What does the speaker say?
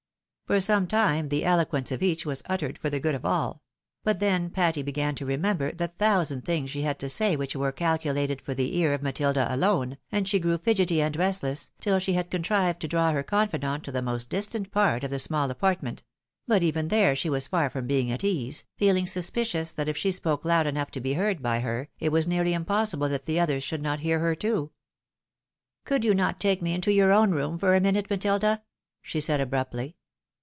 For some time the eloquence of each was uttered for the good of all ; but then Patty began to remember the thousand things she had to say which were calculated for the ear of Matilda alone, and she grew fidgety and restless, till she had contrived to draw her confidant to the most distant part of the small apartment ; but even there she was far from being at ease, feehng suspicious that if she spoke loud enough to be heard by her, it was nearly im possible that the others should not hear her too. " Could you not take me into your own room for a minute, Matilda ?" she said, abruptly.